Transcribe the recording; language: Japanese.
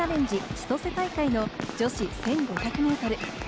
千歳大会の女子１５００ｍ。